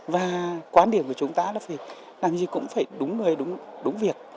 và quan điểm của chúng ta là phải làm gì cũng phải đúng người đúng việc